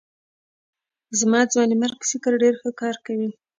زما ځوانمېرګ فکر ډېر ښه کار کوي.